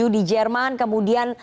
di jerman kemudian